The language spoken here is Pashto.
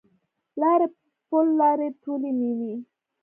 لارې پل لارې ټولي میینې